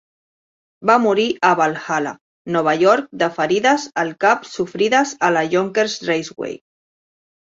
Va morir a Valhalla, Nova York de ferides al cap sofrides a la Yonkers Raceway.